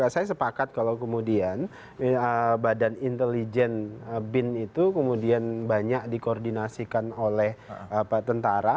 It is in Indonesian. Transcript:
saya sepakat kalau kemudian badan intelijen bin itu kemudian banyak dikoordinasikan oleh tentara